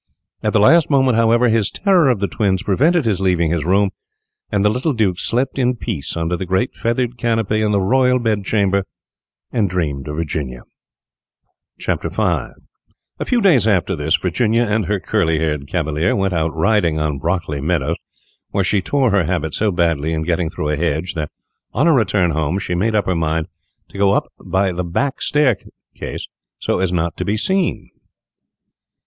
At the last moment, however, his terror of the twins prevented his leaving his room, and the little Duke slept in peace under the great feathered canopy in the Royal Bedchamber, and dreamed of Virginia. V A few days after this, Virginia and her curly haired cavalier went out riding on Brockley meadows, where she tore her habit so badly in getting through a hedge that, on their return home, she made up her mind to go up by the back staircase so as not to be seen.